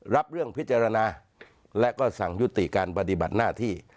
รับเรื่องพิจารณาและก็สั่งยุติการปฏิบัติหน้าที่